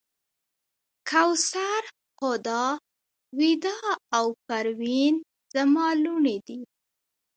کوثر، هُدا، ویدا او پروین زما لوڼې دي.